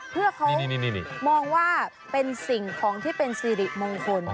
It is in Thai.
เพื่อเขามองว่าเป็นสิ่งของที่เป็นสิริมงคล